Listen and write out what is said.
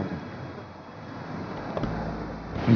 aku jemput dulu ya